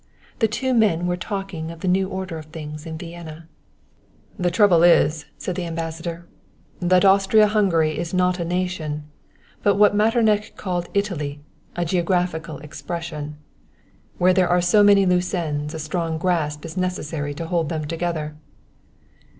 The two men were talking of the new order of things in Vienna. "The trouble is," said the Ambassador, "that Austria Hungary is not a nation, but what Metternich called Italy a geographical expression. Where there are so many loose ends a strong grasp is necessary to hold them together."